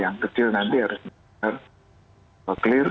yang kecil nanti harus benar benar clear